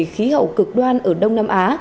khí hậu cực đoan ở đông nam á